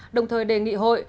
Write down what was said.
đồng thời đề nghị hội